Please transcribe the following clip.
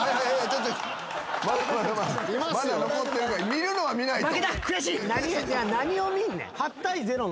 見るのは見ないと。